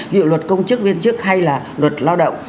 ví dụ luật công chức viên chức hay là luật lao động